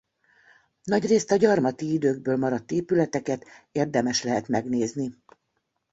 Nagyrészt a gyarmati időkből maradt épületeket érdemes lehet megnézni.